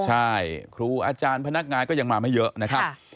ใช่ครูอาจารย์พนักงานก็ยังมาไม่เยอะนะครับ